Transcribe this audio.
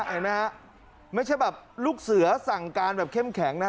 เห็นไหมฮะไม่ใช่แบบลูกเสือสั่งการแบบเข้มแข็งนะ